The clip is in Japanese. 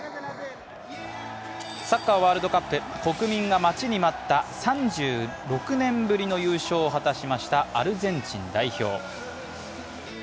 サッカーワールドカップ、国民が待ちに待った３６年ぶりの優勝を果たしましたアルゼンチン代表。